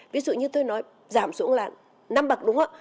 ví dụ như tôi nói giảm xuống là năm bậc đúng không ạ